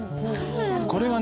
これがね